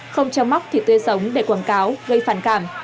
không chăm móc thịt tươi sống để quảng cáo gây phản cảm